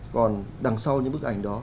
còn đằng sau những bức ảnh đó